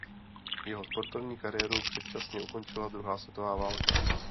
Jeho sportovní kariéru předčasně ukončila druhá světová válka.